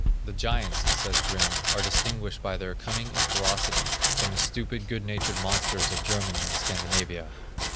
"The giants," says Grimm, "are distinguished by their cunning and ferocity from the stupid, good natured monsters of Germany and Scandinavia."